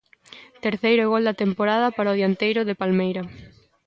Terceiro gol da temporada para o dianteiro de Palmeira.